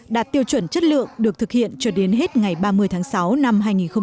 đạt tiêu chuẩn chất lượng được thực hiện cho đến hết ngày ba mươi tháng sáu năm hai nghìn hai mươi